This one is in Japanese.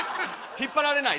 引っ張られない。